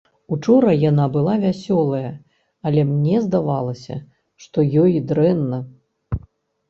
Учора яна была вясёлая, але мне здавалася, што ёй дрэнна.